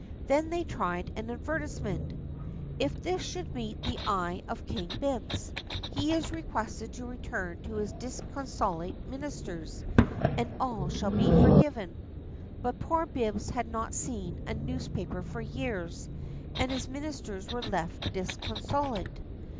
They then tried an advertisement: IF THIS SHOULD MEET THE EYE OF KING BIBBS, he is requested to return to his disconsolate ministers, and all shall be forgiven. But poor Bibbs had not seen a newspaper for years, and his ministers were left disconsolate.